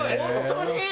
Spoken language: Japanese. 本当に？